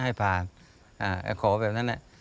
ให้ผ่านขอแบบนั้น